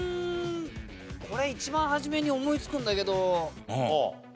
これ一番初めに思いつくんだけど。